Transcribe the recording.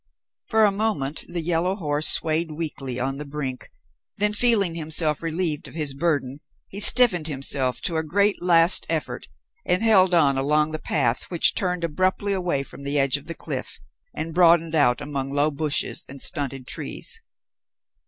For a moment the yellow horse swayed weakly on the brink, then feeling himself relieved of his burden, he stiffened himself to a last great effort and held on along the path which turned abruptly away from the edge of the cliff and broadened out among low bushes and stunted trees.